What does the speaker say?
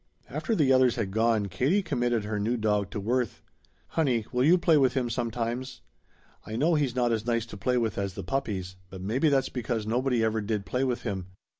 After the others had gone Katie committed her new dog to Worth. "Honey, will you play with him sometimes? I know he's not as nice to play with as the puppies, but maybe that's because nobody ever did play with him.